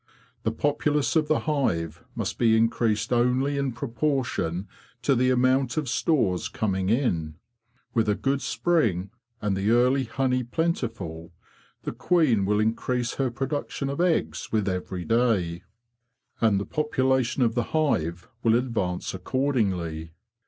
The populace of the hive must be increased only in proportion to the amount of stores coming in. With a good spring, and the early honey plentiful, the queen will increase her production of eggs with every day, and the population of the hive will advance accordingly.